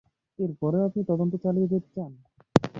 এর পরেও আপনি তদন্ত চালিয়ে যেতে চান?